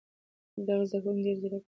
دغه زده کوونکی ډېر ځیرک دی.